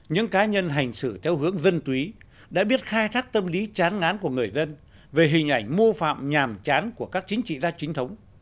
những cá nhân hành xử theo hướng dân túy đã biết khai thác tâm lý chán ngán của người dân về hình ảnh mô phạm nhàm chán của các chính trị gia chính thống